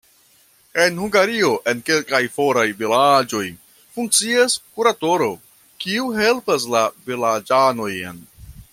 En Hungario en kelkaj foraj vilaĝoj funkcias kuratoro, kiu helpas la vilaĝanojn.